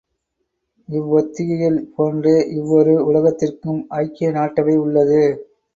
இவ்வொத்திகைகள் போன்றே இவ்வொரு உலகத்திற்கும் ஐக்கிய நாட்டவை உள்ளது.